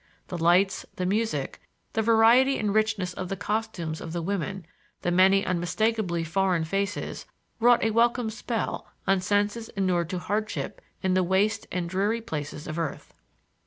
The lights, the music, the variety and richness of the costumes of the women, the many unmistakably foreign faces, wrought a welcome spell on senses inured to hardship in the waste and dreary places of earth.